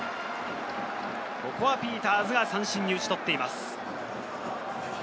ここはピーターズが三振に打ち取っています。